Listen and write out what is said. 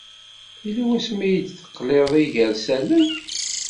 Yella wasmi ay d-teqliḍ igersalen?